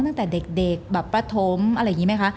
ตั้งแต่เด็กแบบประถมอะไรอย่างนี้ไหมคะ